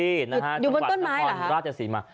อยู่บนต้นไม้หรอนะของราชศรีม่า